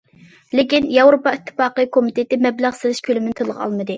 لېكىن ياۋروپا ئىتتىپاقى كومىتېتى مەبلەغ سېلىش كۆلىمىنى تىلغا ئالمىدى.